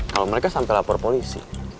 kalo mereka sampe lapor polisi